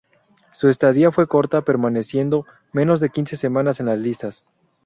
Su estadía fue corta, permaneciendo menos de quince semanas en las listas.